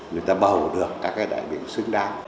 người ta bầu được các đại biểu xứng đáng